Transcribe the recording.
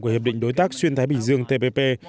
của hiệp định đối tác xuyên thái bình dương tpp